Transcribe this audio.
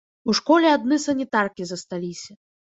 У школе адны санітаркі засталіся.